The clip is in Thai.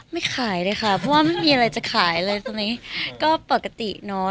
ไม่ขายเลยค่ะเพราะว่าไม่มีอะไรจะขายอะไรตรงนี้ก็ปกติเนาะ